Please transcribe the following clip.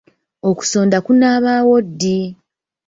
Okusonda kunaabaawo ddi?